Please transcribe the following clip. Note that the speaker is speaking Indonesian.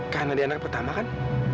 karena dia anak pertama kan